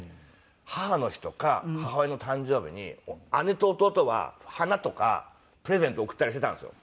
母の日とか母親の誕生日に姉と弟は花とかプレゼントを贈ったりしていたんですよ。